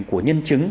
của nhân chứng